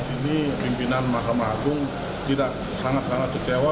ini pimpinan mahkamah agung tidak sangat sangat kecewa